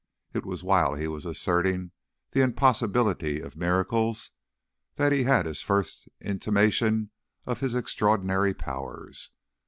It was while he was asserting the impossibility of miracles that he had his first intimation of his extraordinary powers.